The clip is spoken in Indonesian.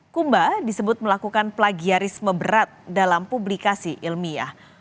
kumba disebut melakukan plagiarisme berat dalam publikasi ilmiah